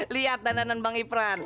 lihat dananan bang ipuran